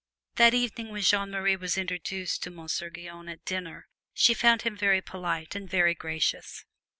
That evening when Jeanne Marie was introduced to Monsieur Guyon at dinner she found him very polite and very gracious.